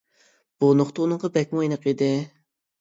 بۇ نۇقتا ئۇنىڭغا بەكمۇ ئېنىق ئىدى.